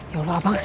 ya allah abang